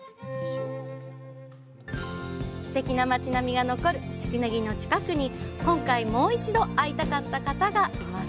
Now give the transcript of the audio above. すてきな町並みが残る宿根木の近くに今回、もう一度会いたかった方がいます。